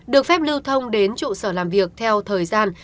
được phép lưu thông đến trụ sở làm việc theo thời gian